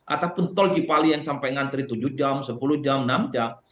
ataupun tol cipali yang sampai ngantri tujuh jam sepuluh jam enam jam